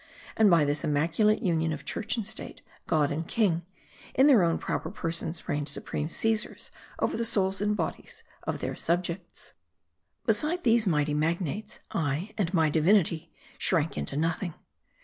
And by this immaculate union of church and state, god and king, in their own proper persons reigned supreme Caesars over the souls and bodies of their subjects. Beside these mighty magnates, I and my divinity shrank into nothing.